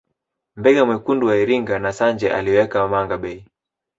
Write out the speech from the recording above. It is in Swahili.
Mbega mwekundu wa Iringa na Sanje aliweka mangabey